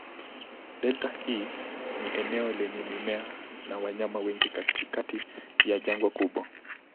Delta hii ni eneo lenye mimea na wanyama wengi katikati ya jangwa kubwa.